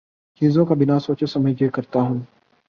چیزوں کا بنا سوچے سمجھے کرتا ہوں